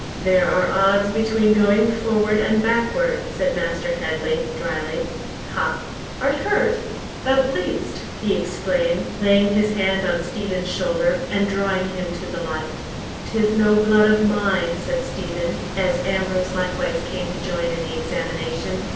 "There are odds between going forward and backward," said Master Headley, dryly. "Ha! Art hurt? Thou bleedst," he exclaimed, laying his hand on Stephen's shoulder, and drawing him to the light. "'Tis no blood of mine," said Stephen, as Ambrose likewise came to join in the examination.